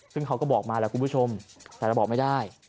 ซึ่งเขาก็บอกมาแหละคุณผู้ชมแต่เราบอกไม่ได้